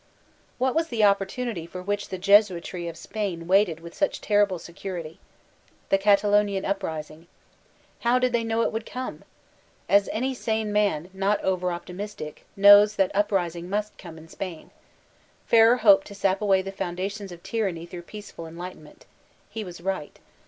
What was this opportunity for which the Jesuitry of Spain waited with such toriblf security? The Catakh 3l8 VOLTAIBINE DE ClEYSE nian uprising. How did they know it would come? As any sane man, not over optimistic, knows that uprising must come in Spain. Ferrer hoped to sap away the foun dations of tyranny through peaceful enlightenment He was right.